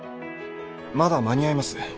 まだ間に合います。